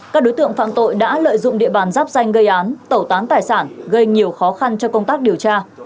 các đối tượng phạm tội đã lợi dụng địa bàn giáp danh gây án tẩu tán tài sản gây nhiều khó khăn cho công tác điều tra